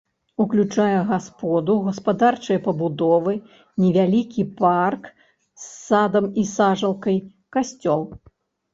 Уключае гасподу, гаспадарчыя пабудовы, невялікі парк з садам і сажалкай, касцёл.